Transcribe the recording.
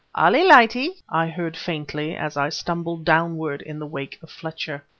"Allee lightee," I heard faintly as I stumbled downward in the wake of Fletcher.